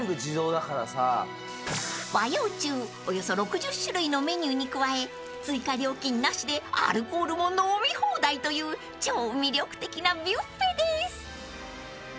［和洋中およそ６０種類のメニューに加え追加料金なしでアルコールも飲み放題という超魅力的なビュッフェです］